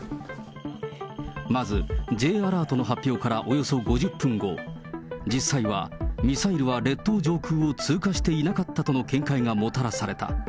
まずＪアラートの発表からおよそ５０分後、実際はミサイルは列島上空を通過していなかったとの見解がもたらされた。